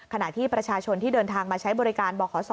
ขณะที่ประชาชนที่เดินทางมาใช้บริการบขศ